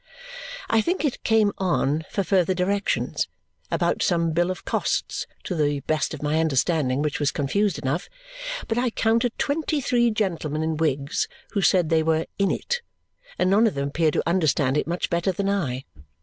I think it came on "for further directions" about some bill of costs, to the best of my understanding, which was confused enough. But I counted twenty three gentlemen in wigs who said they were "in it," and none of them appeared to understand it much better than I.